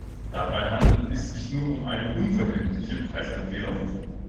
Dabei handelt es sich nur um eine unverbindliche Preisempfehlung.